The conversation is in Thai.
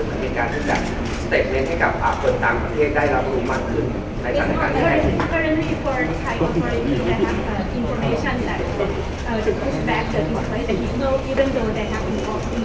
มันมีการรู้จักสตเตมาท์ให้กับหรือเป็นตามประเทศได้รับรู้มากขึ้นในชั่นในการแบ่ง